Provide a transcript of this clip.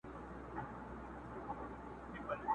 پر خړه مځکه به یې سیوري نه وي!!